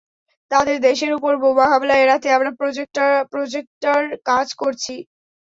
তাদের দেশের উপর বোমা হামলা এড়াতে, আমরা প্রজেক্টটার কাজ করেছি।